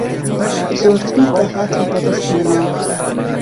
زۆرترین داهاتی بەدەستهێنا